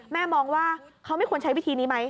มองว่าเขาไม่ควรใช้วิธีนี้ไหม